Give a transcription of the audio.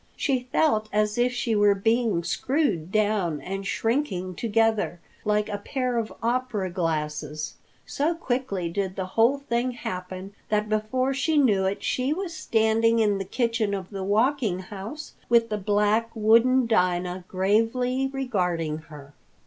She felt as if she were being screwed down and shrinking together like a pair of opera glasses. So quickly did the whole thing happen that before she knew it, she was standing in the kitchen of the Walking House with the black, wooden Dinah gravely regarding her.